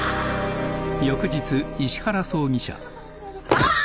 あっ！